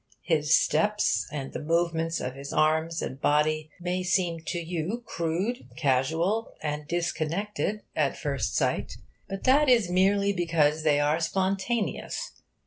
His steps, and the movements of his arms and body, may seem to you crude, casual, and disconnected at first sight; but that is merely because they are spontaneous.